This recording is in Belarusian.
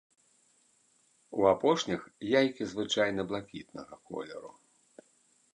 У апошніх яйкі звычайна блакітнага колеру.